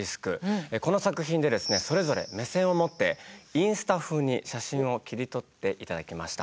この作品でですねそれぞれ目線を持ってインスタ風に写真を切り取って頂きました。